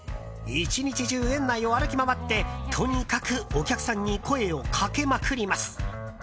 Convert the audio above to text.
１日中、園内を歩き回ってとにかくお客さんに声をかけまくります。